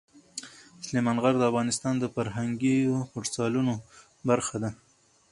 سلیمان غر د افغانستان د فرهنګي فستیوالونو برخه ده.